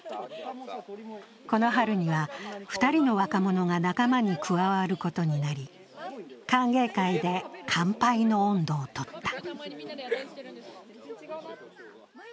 この春には２人の若者が仲間に加わることになり、歓迎会で乾杯の音頭をとった。